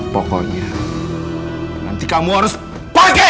pokoknya nanti kamu harus pakai